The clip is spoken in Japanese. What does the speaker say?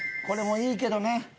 これもいいけどね。